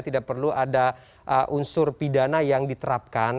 tidak perlu ada unsur pidana yang diterapkan